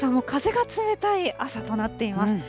けさも風が冷たい朝となっています。